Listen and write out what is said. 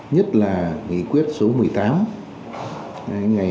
nhất là nghị quyết số một mươi tám ngày hai mươi năm tháng một mươi năm hai nghìn một mươi bảy